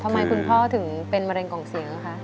คุณพ่อถึงเป็นมะเร็งกล่องเสียงอะคะ